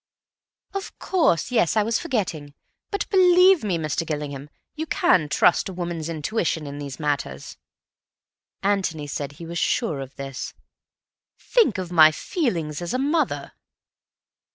"Of course, yes, I was forgetting. But, believe me, Mr. Gillingham, you can trust a woman's intuition in these matters." Antony said that he was sure of this. "Think of my feelings as a mother."